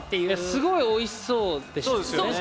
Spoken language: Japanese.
すごいおいしそうでしたね。